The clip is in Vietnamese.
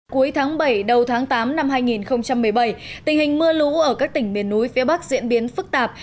cuối tháng bảy đầu tháng tám năm hai nghìn một mươi bảy tình hình mưa lũ ở các tỉnh miền núi phía bắc diễn biến phức tạp